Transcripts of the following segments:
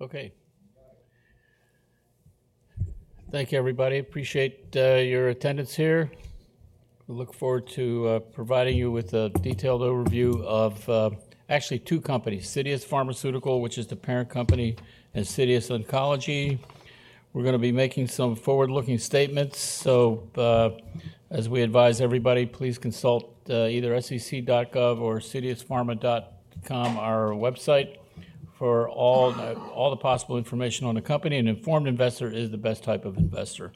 Okay. Thank you, everybody. Appreciate your attendance here. We look forward to providing you with a detailed overview of, actually, two companies: Citius Pharmaceuticals, which is the parent company, and Citius Oncology. We're going to be making some forward-looking statements. As we advise everybody, please consult either sec.gov or citiuspharma.com, our website, for all the possible information on the company. An informed investor is the best type of investor.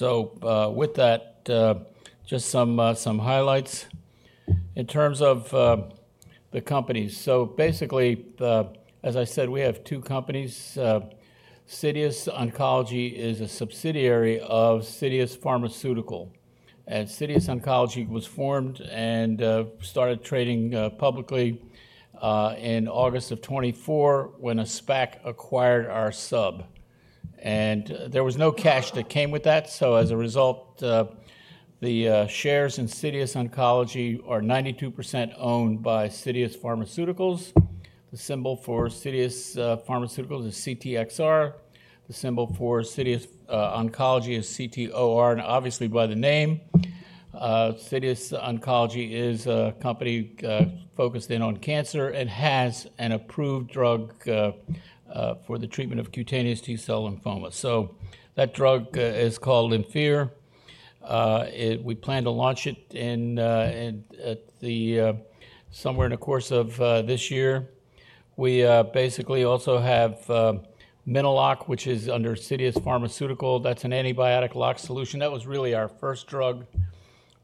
With that, just some highlights in terms of the companies. Basically, as I said, we have two companies. Citius Oncology is a subsidiary of Citius Pharmaceuticals. Citius Oncology was formed and started trading publicly in August of 2024 when a SPAC acquired our sub. There was no cash that came with that. As a result, the shares in Citius Oncology are 92% owned by Citius Pharmaceuticals. The symbol for Citius Pharmaceuticals is CTXR. The symbol for Citius Oncology is CTOR, obviously by the name. Citius Oncology is a company focused in on cancer and has an approved drug for the treatment of cutaneous T-cell lymphoma. That drug is called LYMPHIR. We plan to launch it somewhere in the course of this year. We basically also have Mino-Lok, which is under Citius Pharmaceuticals. That is an antibiotic lock solution. That was really our first drug.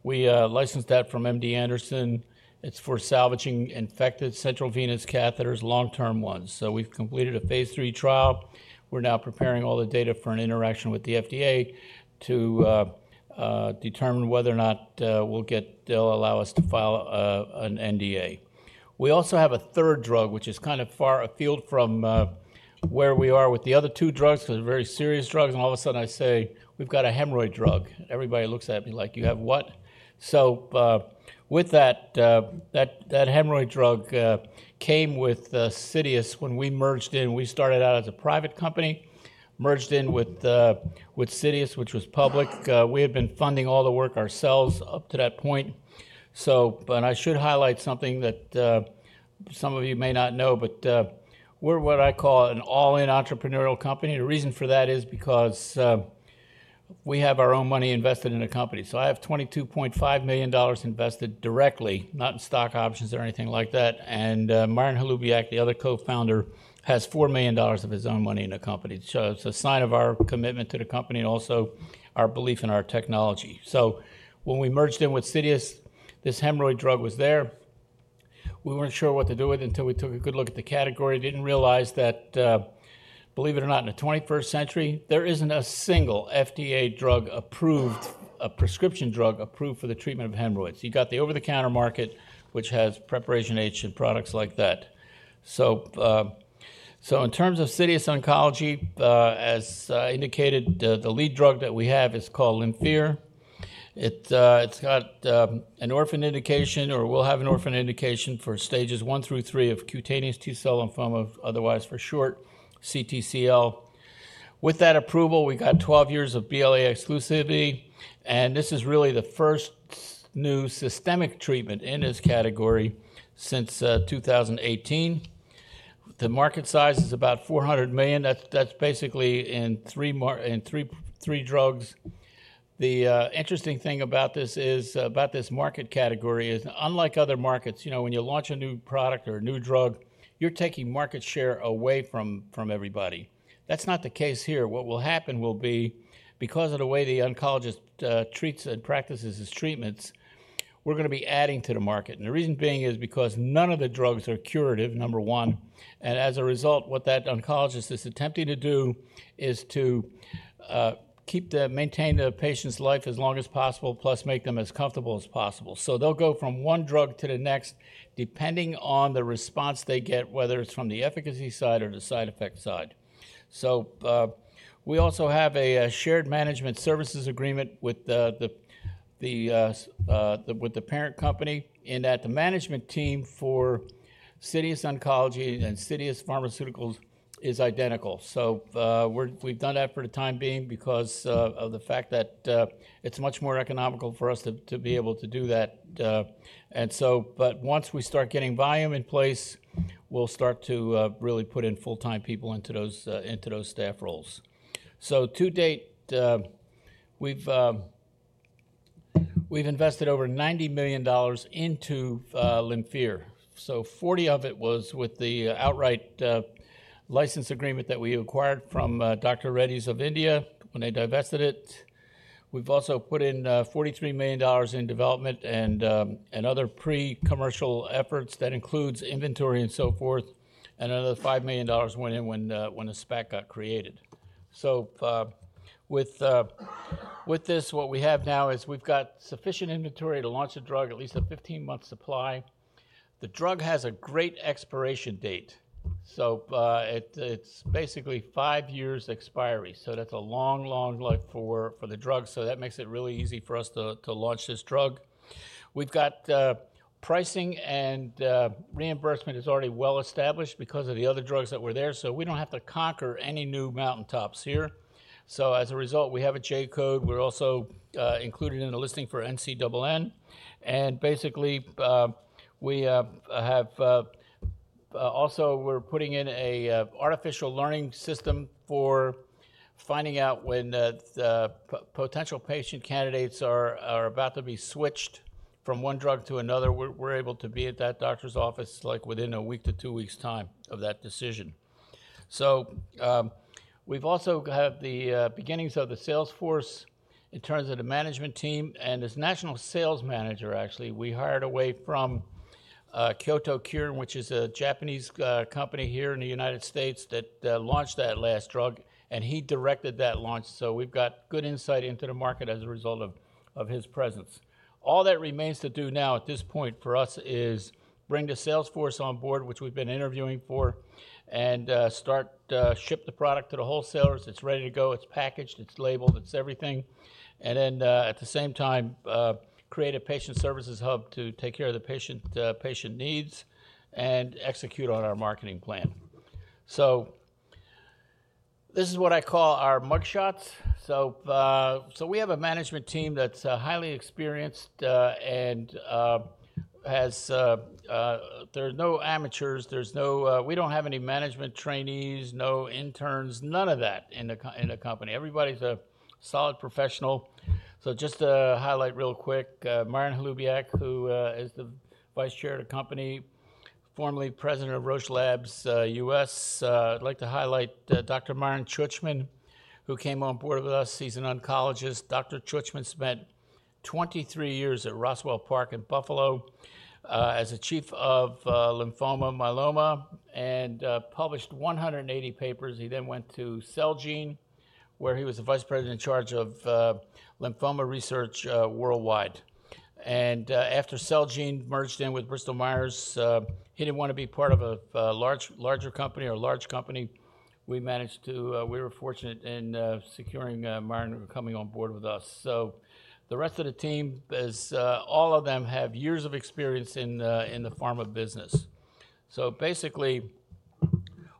We licensed that from MD Anderson. It is for salvaging infected central venous catheters, long-term ones. We have completed a phase three trial. We are now preparing all the data for an interaction with the FDA to determine whether or not they will allow us to file an NDA. We also have a third drug, which is kind of far afield from where we are with the other two drugs because they are very serious drugs. All of a sudden, I say, "We've got a hemorrhoid drug." Everybody looks at me like, "You have what?" With that, that hemorrhoid drug came with Citius when we merged in. We started out as a private company, merged in with Citius, which was public. We had been funding all the work ourselves up to that point. I should highlight something that some of you may not know, but we're what I call an all-in entrepreneurial company. The reason for that is because we have our own money invested in the company. I have $22.5 million invested directly, not in stock options or anything like that. Marian Halubiak, the other co-founder, has $4 million of his own money in the company. It's a sign of our commitment to the company and also our belief in our technology. When we merged in with Citius, this hemorrhoid drug was there. We weren't sure what to do with it until we took a good look at the category. Didn't realize that, believe it or not, in the 21st century, there isn't a single FDA drug approved, a prescription drug approved for the treatment of hemorrhoids. You've got the over-the-counter market, which has Preparation H and products like that. In terms of Citius Oncology, as indicated, the lead drug that we have is called LYMPHIR. It's got an orphan indication or will have an orphan indication for stages one through three of cutaneous T-cell lymphoma, otherwise for short, CTCL. With that approval, we got 12 years of BLA exclusivity. This is really the first new systemic treatment in this category since 2018. The market size is about $400 million. That's basically in three drugs. The interesting thing about this market category is, unlike other markets, you know, when you launch a new product or a new drug, you're taking market share away from everybody. That's not the case here. What will happen will be, because of the way the oncologist treats and practices his treatments, we're going to be adding to the market. The reason being is because none of the drugs are curative, number one. As a result, what that oncologist is attempting to do is to maintain the patient's life as long as possible, plus make them as comfortable as possible. They'll go from one drug to the next depending on the response they get, whether it's from the efficacy side or the side effect side. We also have a shared management services agreement with the parent company in that the management team for Citius Oncology and Citius Pharmaceuticals is identical. We've done that for the time being because of the fact that it's much more economical for us to be able to do that. Once we start getting volume in place, we'll start to really put in full-time people into those staff roles. To date, we've invested over $90 million into LYMPHIR. $40 million of it was with the outright license agreement that we acquired from Dr. Reddy's of India when they divested it. We've also put in $43 million in development and other pre-commercial efforts. That includes inventory and so forth. Another $5 million went in when the SPAC got created. With this, what we have now is we've got sufficient inventory to launch a drug, at least a 15-month supply. The drug has a great expiration date. It's basically five years expiry. That's a long, long leg for the drug. That makes it really easy for us to launch this drug. We've got pricing and reimbursement is already well established because of the other drugs that were there. We don't have to conquer any new mountaintops here. As a result, we have a J-Code. We're also included in the listing for NCCN. Basically, we have also we're putting in an artificial learning system for finding out when potential patient candidates are about to be switched from one drug to another. We're able to be at that doctor's office within a week to two weeks' time of that decision. We have also had the beginnings of the sales force in terms of the management team. As National Sales Manager, actually, we hired away from Kyowa Kirin, which is a Japanese company here in the United States that launched that last drug. He directed that launch. We have good insight into the market as a result of his presence. All that remains to do now at this point for us is bring the sales force on board, which we have been interviewing for, and start shipping the product to the wholesalers. It is ready to go. It is packaged. It is labeled. It is everything. At the same time, create a patient services hub to take care of the patient needs and execute on our marketing plan. This is what I call our mug shots. We have a management team that's highly experienced and there are no amateurs. We don't have any management trainees, no interns, none of that in the company. Everybody's a solid professional. Just to highlight real quick, Myron Holubiak, who is the Vice Chair of the company, formerly President of Roche Labs U.S. I'd like to highlight Dr. Myron Czuczman, who came on board with us. He's an oncologist. Dr. Czuczman spent 23 years at Roswell Park in Buffalo as Chief of Lymphoma Myeloma and published 180 papers. He then went to Celgene, where he was the Vice President in charge of lymphoma research worldwide. After Celgene merged in with Bristol Myers, he didn't want to be part of a larger company. We were fortunate in securing Maran coming on board with us. The rest of the team, all of them have years of experience in the pharma business. Basically,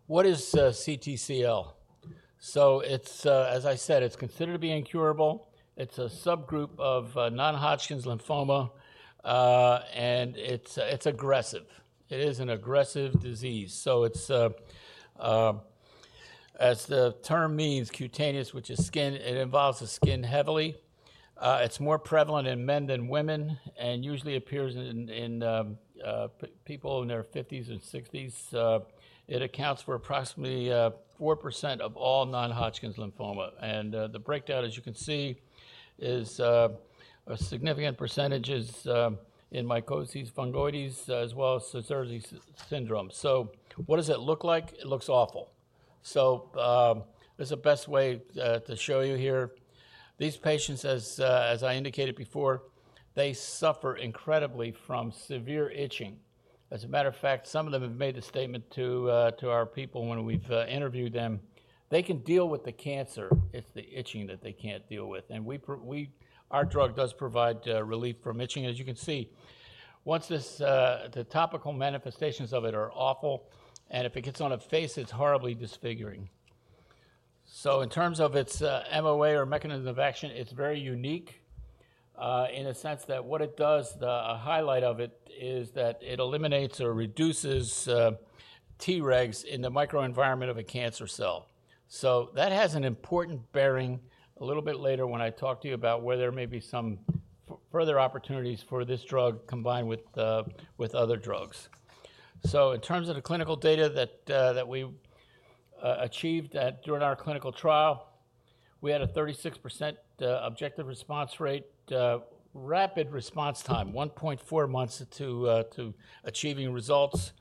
what is CTCL? As I said, it's considered to be incurable. It's a subgroup of non-Hodgkin's lymphoma. It's aggressive. It is an aggressive disease. As the term means, cutaneous, which is skin, it involves the skin heavily. It's more prevalent in men than women and usually appears in people in their 50s and 60s. It accounts for approximately 4% of all non-Hodgkin's lymphoma. The breakdown, as you can see, is a significant percentage is in mycosis fungoides as well as Sézary syndrome. What does it look like? It looks awful. This is the best way to show you here. These patients, as I indicated before, suffer incredibly from severe itching. As a matter of fact, some of them have made a statement to our people when we've interviewed them. They can deal with the cancer. It's the itching that they can't deal with. Our drug does provide relief from itching, as you can see. Once the topical manifestations of it are awful, and if it gets on a face, it's horribly disfiguring. In terms of its MOA or mechanism of action, it's very unique in a sense that what it does, the highlight of it, is that it eliminates or reduces Tregs in the microenvironment of a cancer cell. That has an important bearing a little bit later when I talk to you about where there may be some further opportunities for this drug combined with other drugs. In terms of the clinical data that we achieved during our clinical trial, we had a 36% objective response rate, rapid response time, 1.4 months to achieving results,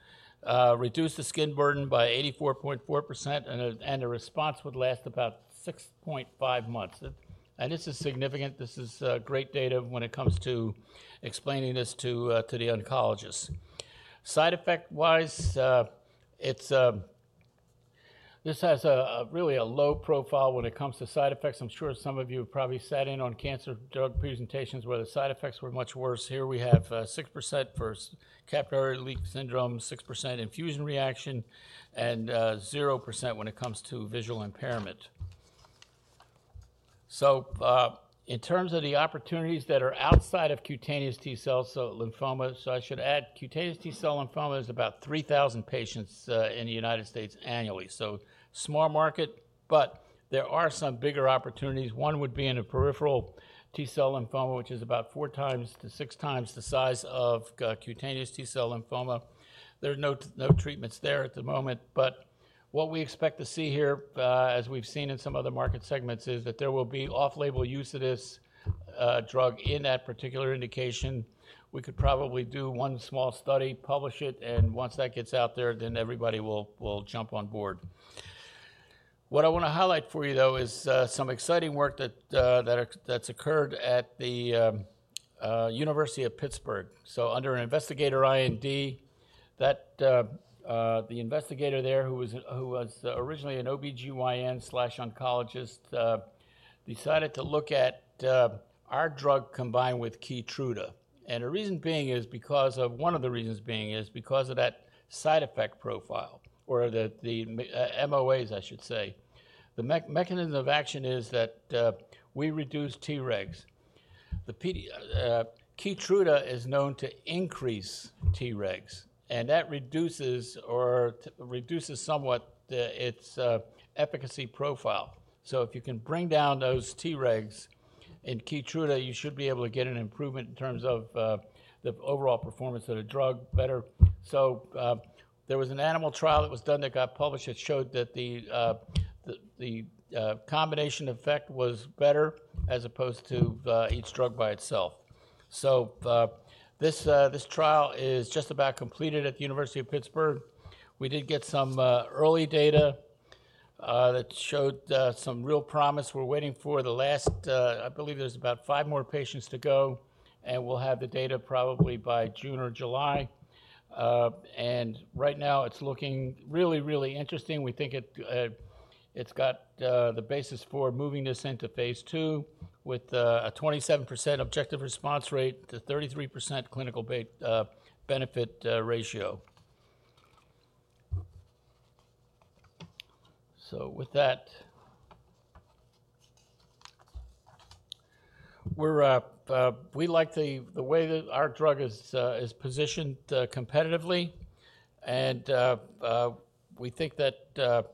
reduced the skin burden by 84.4%, and the response would last about 6.5 months. This is significant. This is great data when it comes to explaining this to the oncologists. Side effect-wise, this has really a low profile when it comes to side effects. I'm sure some of you have probably sat in on cancer drug presentations where the side effects were much worse. Here we have 6% for capillary leak syndrome, 6% infusion reaction, and 0% when it comes to visual impairment. In terms of the opportunities that are outside of cutaneous T-cell lymphoma, I should add cutaneous T-cell lymphoma is about 3,000 patients in the United States annually. Small market, but there are some bigger opportunities. One would be in a peripheral T-cell lymphoma, which is about four times to six times the size of cutaneous T-cell lymphoma. There are no treatments there at the moment. What we expect to see here, as we've seen in some other market segments, is that there will be off-label use of this drug in that particular indication. We could probably do one small study, publish it, and once that gets out there, then everybody will jump on board. What I want to highlight for you, though, is some exciting work that's occurred at the University of Pittsburgh. Under an investigator IND, the investigator there who was originally an OB-GYN/oncologist decided to look at our drug combined with KEYTRUDA. The reason being is because of one of the reasons being is because of that side effect profile or the MOAs, I should say. The mechanism of action is that we reduce Tregs. KEYTRUDA is known to increase Tregs. That reduces or reduces somewhat its efficacy profile. If you can bring down those Tregs in KEYTRUDA, you should be able to get an improvement in terms of the overall performance of the drug better. There was an animal trial that was done that got published that showed that the combination effect was better as opposed to each drug by itself. This trial is just about completed at the University of Pittsburgh. We did get some early data that showed some real promise. We're waiting for the last, I believe there's about five more patients to go, and we'll have the data probably by June or July. Right now, it's looking really, really interesting. We think it's got the basis for moving this into phase two with a 27% objective response rate to 33% clinical benefit ratio. With that, we like the way that our drug is positioned competitively. We think that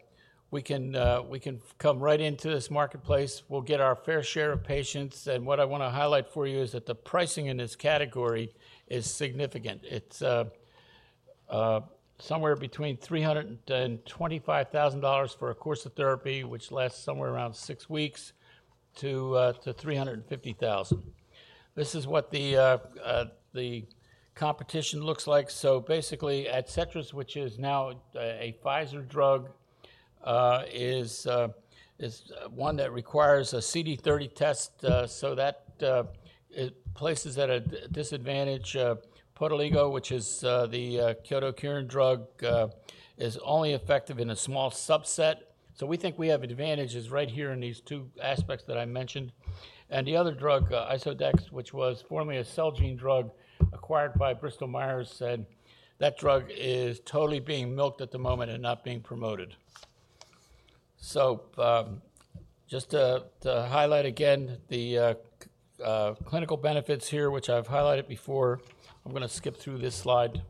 we can come right into this marketplace. We'll get our fair share of patients. What I want to highlight for you is that the pricing in this category is significant. It's somewhere between $325,000 for a course of therapy, which lasts somewhere around six weeks, to $350,000. This is what the competition looks like. Basically, Adcetris, which is now a Pfizer drug, is one that requires a CD30 test. That places it at a disadvantage. Poteligeo, which is the Kyowa Kirin drug, is only effective in a small subset. We think we have advantages right here in these two aspects that I mentioned. The other drug, Istodax, which was formerly a Celgene drug acquired by Bristol Myers Squibb, and that drug is totally being milked at the moment and not being promoted. Just to highlight again the clinical benefits here, which I've highlighted before, I'm going to skip through this slide.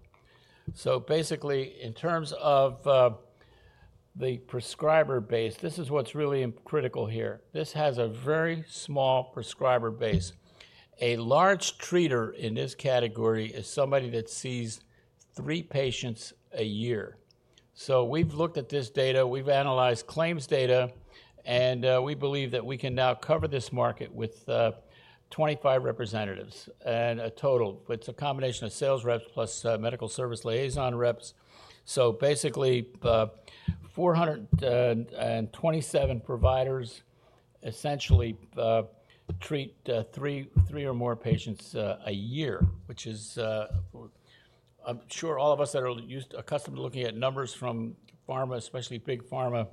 Basically, in terms of the prescriber base, this is what's really critical here. This has a very small prescriber base. A large treater in this category is somebody that sees three patients a year. We've looked at this data. We've analyzed claims data. We believe that we can now cover this market with 25 representatives in total. It's a combination of sales reps plus medical service liaison reps. Basically, 427 providers essentially treat three or more patients a year, which is, I'm sure, all of us that are accustomed to looking at numbers from pharma, especially big pharma,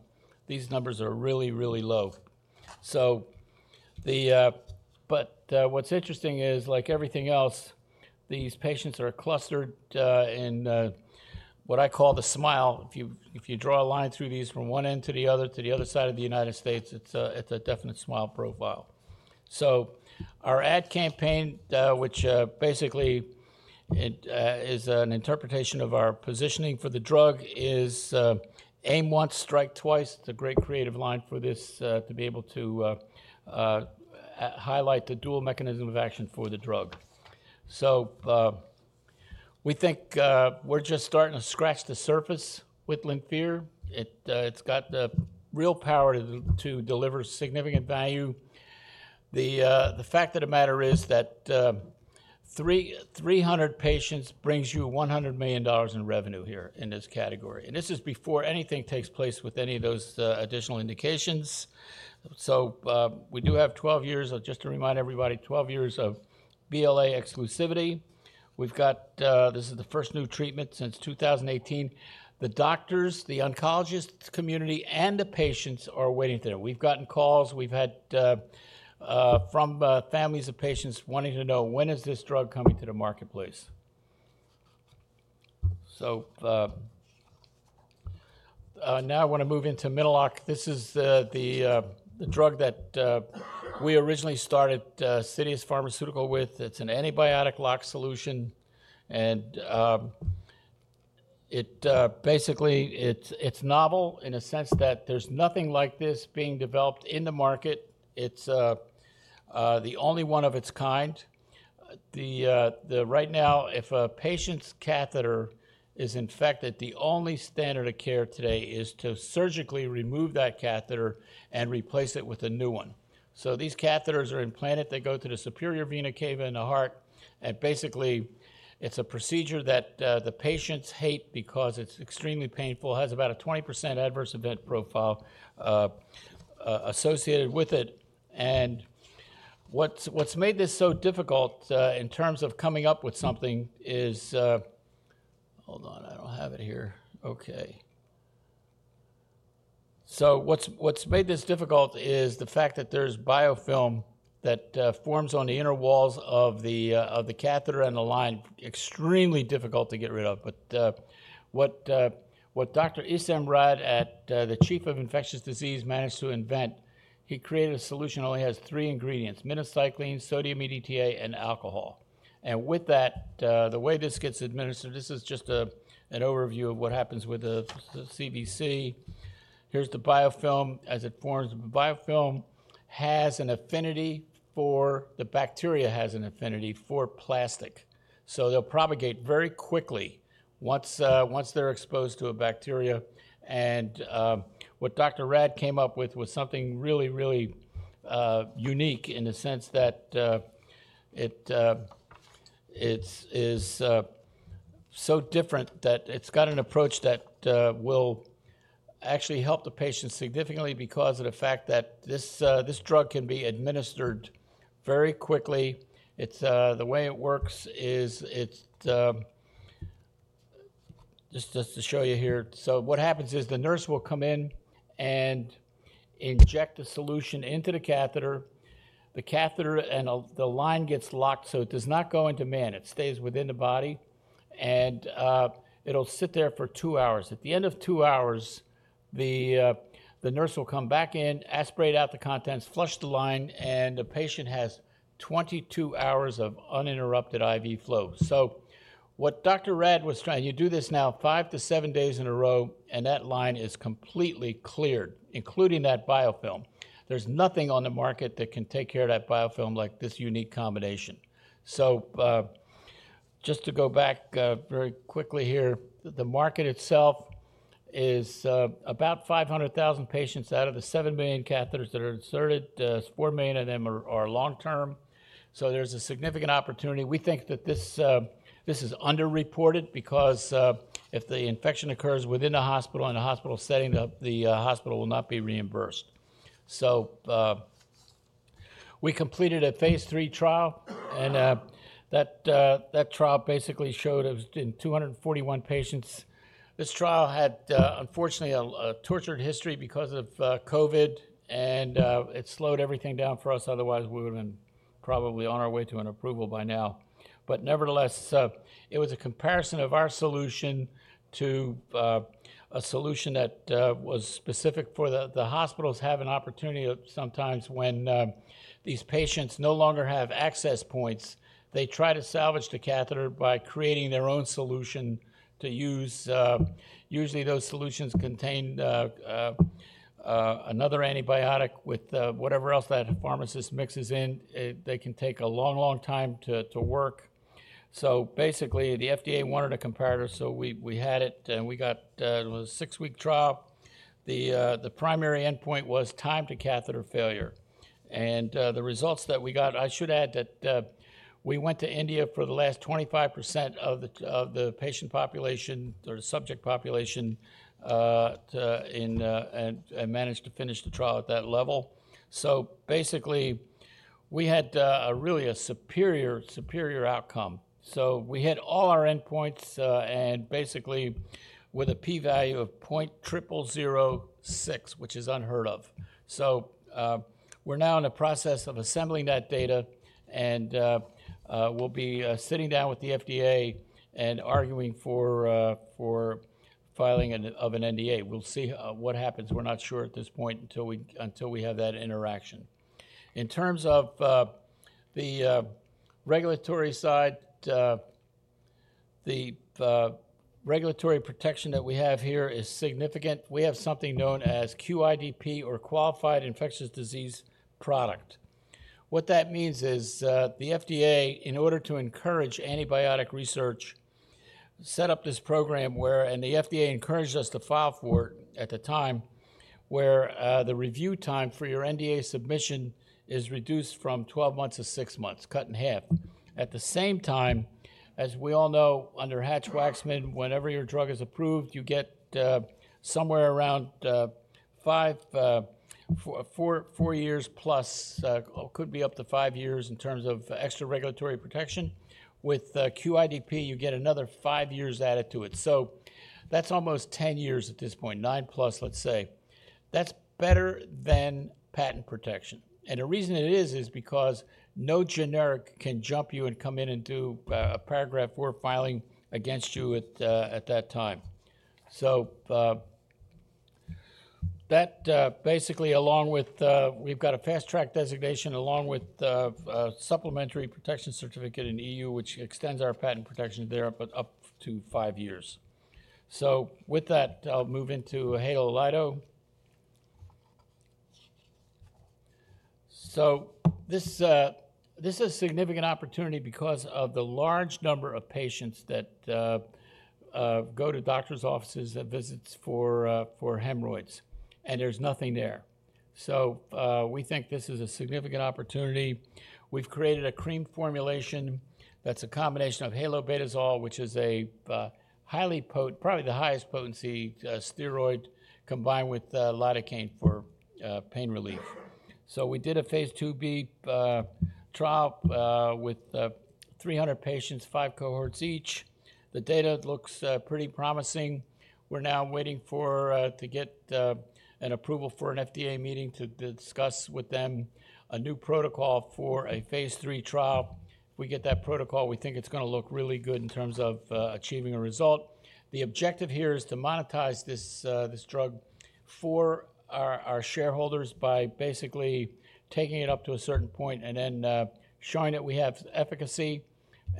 these numbers are really, really low. What's interesting is, like everything else, these patients are clustered in what I call the smile. If you draw a line through these from one end to the other to the other side of the United States, it's a definite smile profile. Our ad campaign, which basically is an interpretation of our positioning for the drug, is aim once, strike twice. It's a great creative line for this to be able to highlight the dual mechanism of action for the drug. We think we're just starting to scratch the surface with LYMPHIR. It's got real power to deliver significant value. The fact of the matter is that 300 patients brings you $100 million in revenue here in this category. This is before anything takes place with any of those additional indications. We do have 12 years of, just to remind everybody, 12 years of BLA exclusivity. We've got this is the first new treatment since 2018. The doctors, the oncologist community, and the patients are waiting there. We've gotten calls. We've had from families of patients wanting to know when is this drug coming to the marketplace. Now I want to move into Mino-Lok. This is the drug that we originally started Citius Pharmaceuticals with. It's an antibiotic lock solution. It basically, it's novel in a sense that there's nothing like this being developed in the market. It's the only one of its kind. Right now, if a patient's catheter is infected, the only standard of care today is to surgically remove that catheter and replace it with a new one. These catheters are implanted. They go to the superior vena cava in the heart. Basically, it's a procedure that the patients hate because it's extremely painful. It has about a 20% adverse event profile associated with it. What's made this so difficult in terms of coming up with something is hold on. I don't have it here. Okay. What's made this difficult is the fact that there's biofilm that forms on the inner walls of the catheter and the line, extremely difficult to get rid of. What Dr. Issam Raad, the Chief of Infectious Diseases, managed to invent, he created a solution that only has three ingredients: minocycline, sodium EDTA, and alcohol. With that, the way this gets administered, this is just an overview of what happens with the CBC. Here is the biofilm as it forms. The biofilm has an affinity for the bacteria, has an affinity for plastic. They will propagate very quickly once they are exposed to a bacteria. What Dr. Raad came up with was something really, really unique in the sense that it is so different that it has got an approach that will actually help the patient significantly because of the fact that this drug can be administered very quickly. The way it works is just to show you here. What happens is the nurse will come in and inject a solution into the catheter. The catheter and the line get locked. It does not go into man. It stays within the body. It will sit there for two hours. At the end of two hours, the nurse will come back in, aspirate out the contents, flush the line, and the patient has 22 hours of uninterrupted IV flow. What Dr. Raad was trying, you do this now five to seven days in a row, and that line is completely cleared, including that biofilm. There is nothing on the market that can take care of that biofilm like this unique combination. Just to go back very quickly here, the market itself is about 500,000 patients out of the 7 million catheters that are inserted. Four million of them are long-term. There is a significant opportunity. We think that this is underreported because if the infection occurs within the hospital in a hospital setting, the hospital will not be reimbursed. We completed a phase III trial. That trial basically showed in 241 patients. This trial had, unfortunately, a tortured history because of COVID. It slowed everything down for us. Otherwise, we would have been probably on our way to an approval by now. Nevertheless, it was a comparison of our solution to a solution that was specific for the hospitals. Hospitals have an opportunity sometimes when these patients no longer have access points. They try to salvage the catheter by creating their own solution to use. Usually, those solutions contain another antibiotic with whatever else that pharmacist mixes in. They can take a long, long time to work. Basically, the FDA wanted a comparator. We had it. We got a six-week trial. The primary endpoint was time to catheter failure. The results that we got, I should add that we went to India for the last 25% of the patient population or subject population and managed to finish the trial at that level. Basically, we had really a superior, superior outcome. We hit all our endpoints and basically with a p-value of 0.0006, which is unheard of. We are now in the process of assembling that data. We will be sitting down with the FDA and arguing for filing of an NDA. We will see what happens. We are not sure at this point until we have that interaction. In terms of the regulatory side, the regulatory protection that we have here is significant. We have something known as QIDP or Qualified Infectious Disease Product. What that means is the FDA, in order to encourage antibiotic research, set up this program where the FDA encouraged us to file for it at the time where the review time for your NDA submission is reduced from 12 months to 6 months, cut in half. At the same time, as we all know, under Hatch Waxman, whenever your drug is approved, you get somewhere around four years plus could be up to five years in terms of extra regulatory protection. With QIDP, you get another five years added to it. That is almost 10 years at this point, 9+, let's say. That is better than patent protection. The reason it is is because no generic can jump you and come in and do a paragraph four filing against you at that time. That basically, along with we've got a fast-track designation along with a supplementary protection certificate in the EU, which extends our patent protection there up to five years. With that, I'll move into HaloLido. This is a significant opportunity because of the large number of patients that go to doctors' offices and visits for hemorrhoids. There's nothing there. We think this is a significant opportunity. We've created a cream formulation that's a combination of halobetasol, which is a highly potent, probably the highest potency steroid combined with lidocaine for pain relief. We did a phase II-B trial with 300 patients, five cohorts each. The data looks pretty promising. We're now waiting to get an approval for an FDA meeting to discuss with them a new protocol for a phase III trial. If we get that protocol, we think it's going to look really good in terms of achieving a result. The objective here is to monetize this drug for our shareholders by basically taking it up to a certain point and then showing that we have efficacy.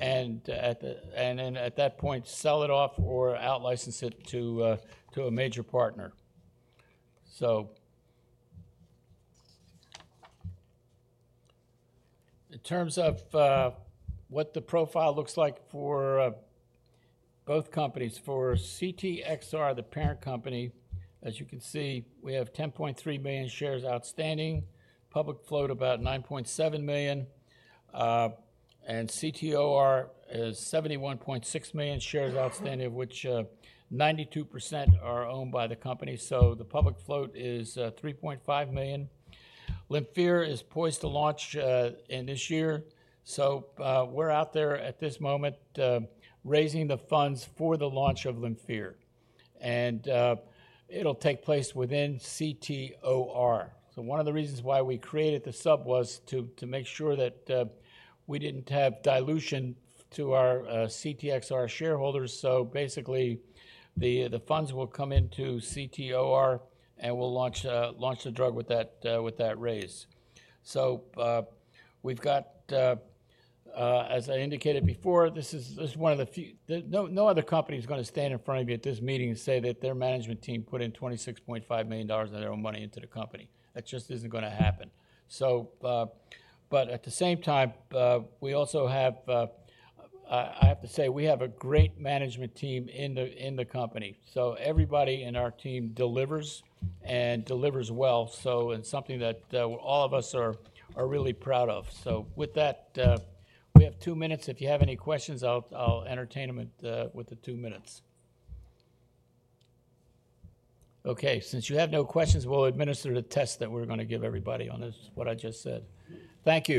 At that point, sell it off or out-license it to a major partner. In terms of what the profile looks like for both companies, for CTXR, the parent company, as you can see, we have 10.3 million shares outstanding, public float about 9.7 million. CTOR is 71.6 million shares outstanding, of which 92% are owned by the company. The public float is 3.5 million. LYMPHIR is poised to launch in this year. We're out there at this moment raising the funds for the launch of LYMPHIR. It'll take place within CTOR. One of the reasons why we created the sub was to make sure that we did not have dilution to our CTXR shareholders. Basically, the funds will come into CTOR and we will launch the drug with that raise. As I indicated before, this is one of the few—no other company is going to stand in front of you at this meeting and say that their management team put in $26.5 million of their own money into the company. That just is not going to happen. At the same time, I have to say we have a great management team in the company. Everybody in our team delivers and delivers well, and that is something that all of us are really proud of. With that, we have two minutes. If you have any questions, I will entertain them with the two minutes. Okay. Since you have no questions, we'll administer the test that we're going to give everybody on this, what I just said. Thank you.